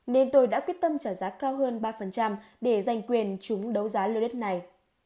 nên tôi đã quyết tâm trả giá cao hơn ba để giành quyền chúng đấu giá lô đất này